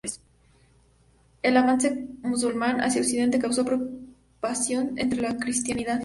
El avance musulmán hacia Occidente causó preocupación entre la cristiandad.